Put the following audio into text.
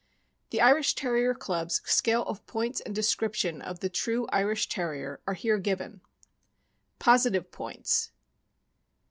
The Irish Terrier Club's scale of points and description of the true Irish Terrier are here given: POSITIVE POINTS.